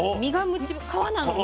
皮なのに？